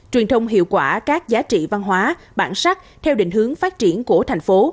truyền thông hiệu quả các giá trị văn hóa bản sắc theo định hướng phát triển của thành phố